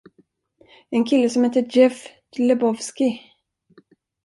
En kille som hette Jeff Lebowski.